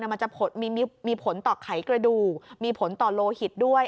มันจะมีผลต่อไขกระดูกมีผลต่อโลหิตด้วย